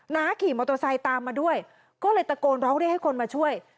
น้าขี่มอเตอร์ไซค์ตามมาด้วยก็เลยตะโกนร้องเรียกให้คนมาช่วย